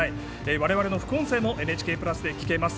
我々の副音声もＮＨＫプラスで聞けます。